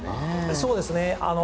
そうですね。